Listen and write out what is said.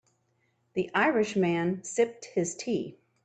The Irish man sipped his tea.